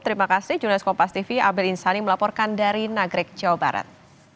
terima kasih jurnas kompas tv abel insani melaporkan dari nagrek jawa barat